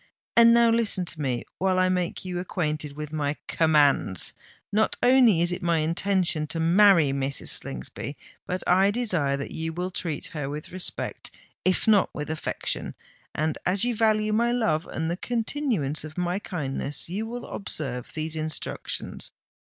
"And now listen to me, while I make you acquainted with my commands! Not only is it my intention to marry Mrs. Slingsby, but I desire that you will treat her with respect—if not with affection. And as you value my love and the continuance of my kindness, you will observe these instructions.